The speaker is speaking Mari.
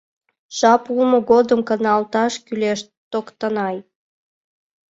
Жап улмо годым каналташ кӱлеш, Токтанай.